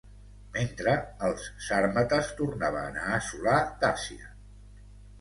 Mentre els sàrmates tornaven a assolar Dàcia.